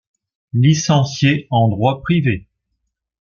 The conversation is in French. Licencié en droit privé.